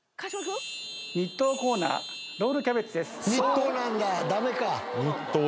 日東コーナーロールキャベツです。